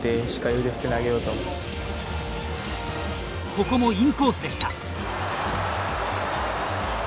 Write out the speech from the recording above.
ここもインコースでした。